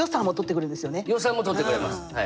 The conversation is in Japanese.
予算もとってくれますはい。